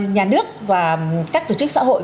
nhà nước và các tổ chức xã hội